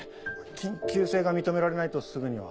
緊急性が認められないとすぐには。